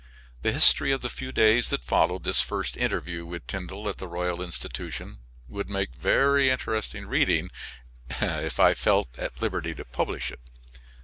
The history of the few days that followed this first interview with Tyndall at the Royal Institution would make very interesting reading, if I felt at liberty to publish it.